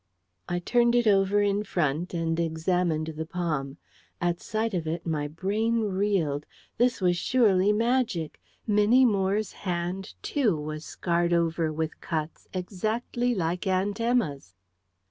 I turned it over in front and examined the palm. At sight of it my brain reeled. This was surely magic! Minnie Moore's hand, too, was scarred over with cuts, exactly like Aunt Emma's!